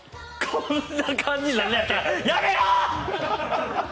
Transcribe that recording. こんな感じになるんやったら！